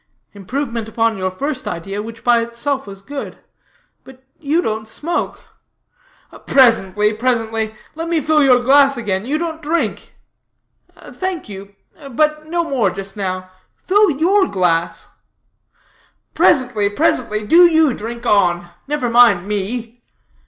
"Improvement upon your first idea, which by itself was good but you don't smoke." "Presently, presently let me fill your glass again. You don't drink." "Thank you; but no more just now. Fill your glass." "Presently, presently; do you drink on. Never mind me.